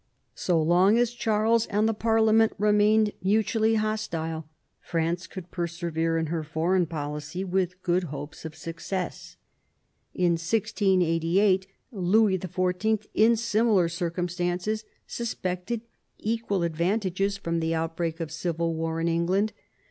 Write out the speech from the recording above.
So long as Charles and the parliament remained mutually hostile, France could persevere in her foreign policy with good hopes of success. In 1688 Louis XIV. in similar circumstances expected equal advantages from the outbreak of civil 88 MAZARIN chap. war in England.